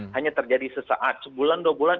hanya terjadi sesaat sebulan dua bulan